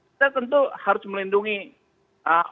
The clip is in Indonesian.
kita tentu harus melindungi